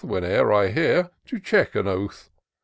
Whene'er I hear, to check an oath.